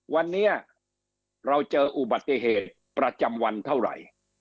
วันนี้เราเจออุบัติเหตุประจำวันเท่าไหร่